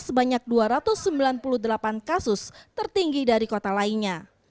sebanyak dua ratus sembilan puluh delapan kasus tertinggi dari kota lainnya